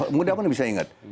mudah pun bisa ingat